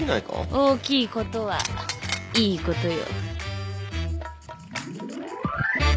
大きいことはいいことよ。